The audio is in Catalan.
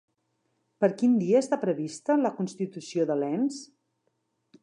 Per quin dia està prevista la constitució de l'ens?